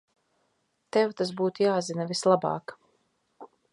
Tev tas būtu jāzina vislabāk.